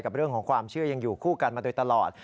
เรื่องของความเชื่อยังอยู่คู่กันมาโดยตลอด